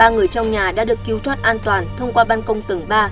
ba người trong nhà đã được cứu thoát an toàn thông qua ban công tầng ba